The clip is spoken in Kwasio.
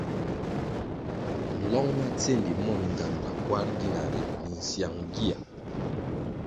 Nlong ma tsendi mon ngambʼla kwarʼ gina ri na minsyang gia.